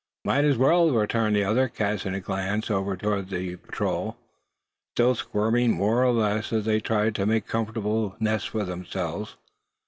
"Might as well," returned the other, casting a glance over toward the balance of the patrol, still squirming more or less, as they tried to make comfortable nests for themselves.